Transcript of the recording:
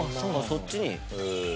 そっちに？